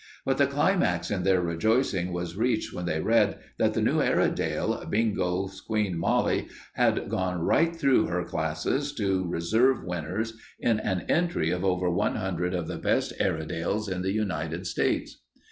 But the climax in their rejoicing was reached when they read that the new Airedale, Bingo's Queen Molly, had gone right through her classes to reserve winners in an entry of over one hundred of the best Airedales in the United States.